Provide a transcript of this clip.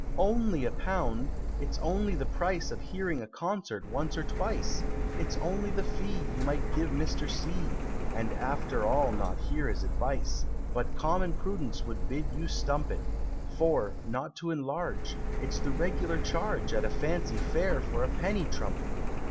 "Only a pound! it's only the price Of hearing a Concert once or twice, It's only the fee You might give Mr. C. And after all not hear his advice, But common prudence would bid you stump it; For, not to enlarge, It's the regular charge At a Fancy Fair for a penny trumpet.